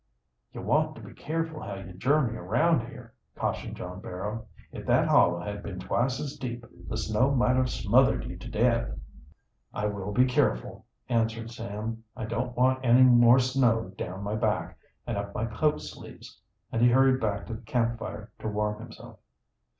"You want to be careful how you journey around here," cautioned John Barrow. "If that hollow had been twice as deep the snow might have smothered you to death." "I will be careful," answered Sam. "I don't want any more snow down my back and up my coat sleeves," and he hurried back to the camp fire to warm himself.